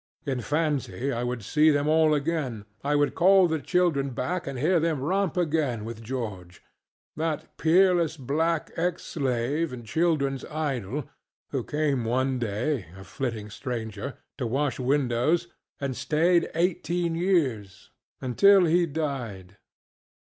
In fancy I could see them all again, I could call the children back and hear them romp again with GeorgeŌĆöthat peerless black ex slave and childrenŌĆÖs idol who came one dayŌĆöa flitting strangerŌĆöto wash windows, and stayed eighteen years. Until he died.